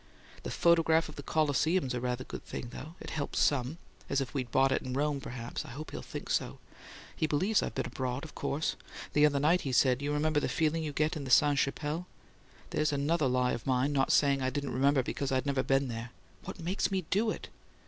The photograph of the Colosseum's a rather good thing, though. It helps some as if we'd bought it in Rome perhaps. I hope he'll think so; he believes I've been abroad, of course. The other night he said, 'You remember the feeling you get in the Sainte Chapelle'. There's another lie of mine, not saying I didn't remember because I'd never been there. What makes me do it?